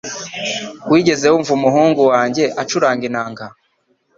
Wigeze wumva umuhungu wanjye acuranga inanga?